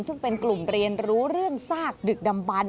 ซึ่งเป็นกลุ่มเรียนรู้เรื่องซากดึกดำบัน